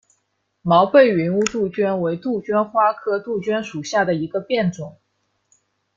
毛背云雾杜鹃为杜鹃花科杜鹃属下的一个变种。